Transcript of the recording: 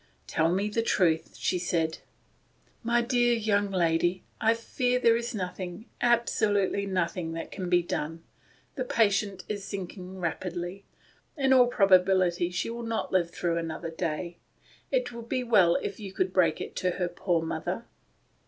" Tell me the truth," she said. "My dear young lady, I fear there is nothing — absolutely nothing — that can be done. The patient is sinking rapidly. In all probability she will not live through THE GATE OF SILENCE. / ^269 j another day. It would be well if you could break it to her poor mother."